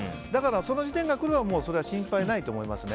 その時点で心配ないと思いますね。